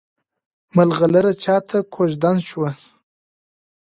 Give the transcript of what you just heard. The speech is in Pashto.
ملغلره چاته کوژدن شوه؟